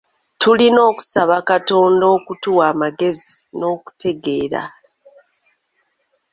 Tulina okusaba Katonda okutuwa amagezi n'okutegeera.